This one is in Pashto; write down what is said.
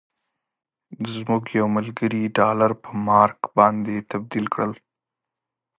زموږ یو ملګري ډالر په مارک باندې تبدیل کړل.